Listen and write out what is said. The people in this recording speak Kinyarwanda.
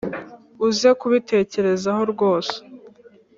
uze kubitekerezaho rwose